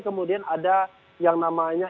kemudian ada yang namanya